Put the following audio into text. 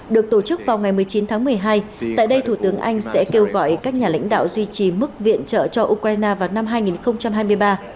được tổ chức vào ngày một mươi chín tháng một mươi hai tại đây thủ tướng anh sẽ kêu gọi các nhà lãnh đạo duy trì mức viện trợ cho ukraine vào năm hai nghìn hai mươi ba